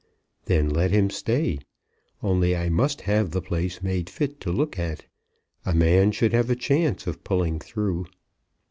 "Then let him stay. Only I must have the place made fit to look at. A man should have a chance of pulling through."